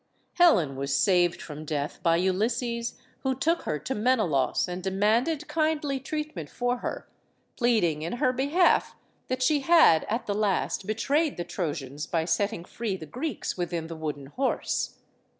Helen was saved from death by Ulysses, who took her to Menelaus and demanded kindly treatment for her, pleading in her behalf that she had at the last betrayed the Trojans by setting free the Greeks within the wooden horse.